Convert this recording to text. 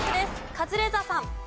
カズレーザーさん。